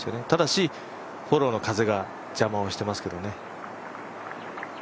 ただし、フォローの風が邪魔をしていますけどね。